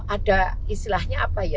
ada istilahnya apa ya